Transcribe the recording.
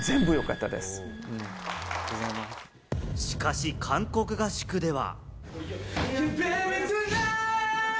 しかし韓国合宿では。